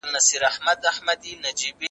مینه په انسان کې د ایثار جذبه پیدا کوي.